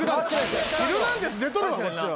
『ヒルナンデス！』出とるわこっちは。